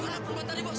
mana perempuan tadi bos